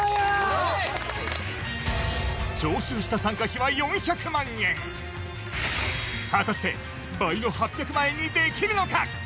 すごい！徴収した参加費は４００万円果たして倍の８００万円にできるのか？